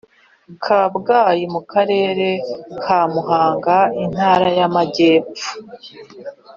Kabgayi mu Karere ka Muhanga Intara y Amagepfo